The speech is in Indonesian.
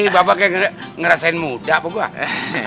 bapak kayak ngerasain muda pokoknya